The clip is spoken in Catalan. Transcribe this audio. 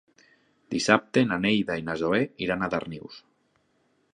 Dissabte na Neida i na Zoè iran a Darnius.